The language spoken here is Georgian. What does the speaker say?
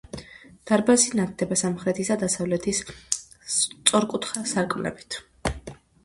დარბაზი ნათდება სამხრეთის და დასავლეთის სწორკუთხა სარკმლებით.